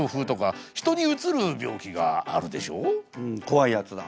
うん怖いやつだ。